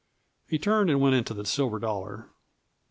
He turned and went into the Silver Dollar.